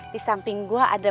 di samping gue ada